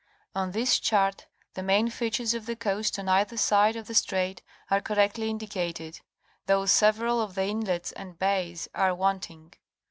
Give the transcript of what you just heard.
On this chart the main features of the coast on either side of the strait are correctly indicated, though several of the inlets and bays are wanting.